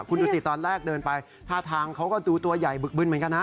คุณดูสิตอนแรกเดินไปท่าทางเขาก็ดูตัวใหญ่บึกบึนเหมือนกันนะ